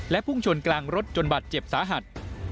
พุ่งชนกลางรถจนบาดเจ็บสาหัส